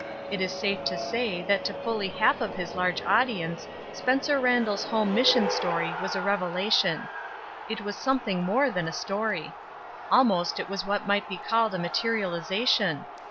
It is safe to say that to fully half of his large audience Spencer Randall's home mission story was a revelation. It was somethmg more than a story. Ahnost it wa^ what might be called a materialization.